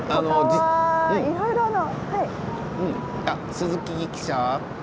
鈴木記者！